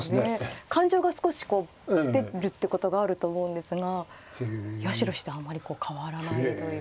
感情が少し出るってことがあると思うんですが八代七段あまり変わらないという。